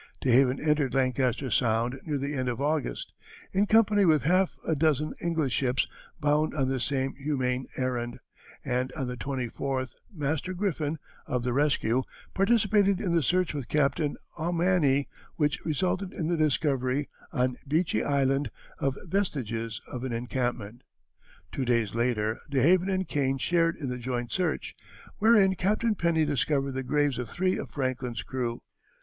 DeHaven entered Lancaster Sound, near the end of August, in company with half a dozen English ships bound on the same humane errand, and on the 24th Master Griffin, of the Rescue, participated in the search with Captain Ommaney, which resulted in the discovery, on Beechy Island, of vestiges of an encampment. Two days later DeHaven and Kane shared in the joint search, wherein Captain Penny discovered the graves of three of Franklin's crew.